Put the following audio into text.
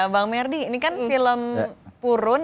bang merdi ini kan film purun